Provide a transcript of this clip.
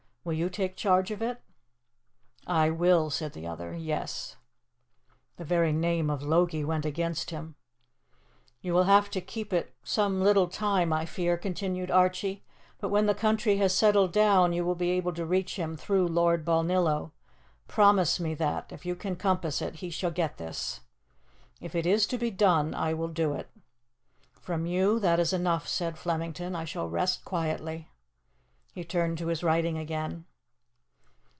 Will you take charge of it?" "I will," said the other "yes." The very name of Logie went against him. "You will have to keep it some little time, I fear," continued Archie, "but when the country has settled down you will be able to reach him through Lord Balnillo. Promise me that, if you can compass it, he shall get this." "If it is to be done, I will do it." "From you, that is enough," said Flemington, "I shall rest quietly." He turned to his writing again.